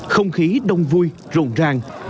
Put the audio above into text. không khí đông vui rộn ràng